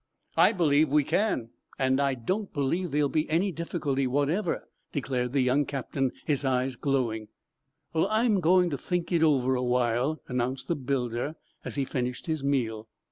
"I believe we can; don't believe there'll be any difficulty whatever," declared the young captain, his eyes glowing. "Well, I'm going to think it over a while," announced the builder, as he finished his meal.